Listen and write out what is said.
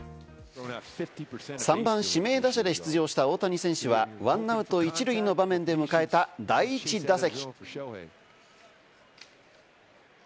３番・指名打者で出場した大谷選手は１アウト１塁の場面で迎えた第１打席。